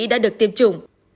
đã được tiêm chủng